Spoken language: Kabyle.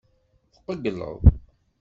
Tqeyyleḍ.